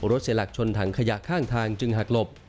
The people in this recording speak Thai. เสียหลักชนถังขยะข้างทางจึงหักหลบ